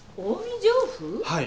はい。